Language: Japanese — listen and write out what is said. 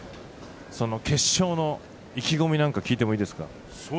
決勝の意気込みなんか聞いてもいいですか？